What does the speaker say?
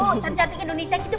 cantik cantik indonesia gitu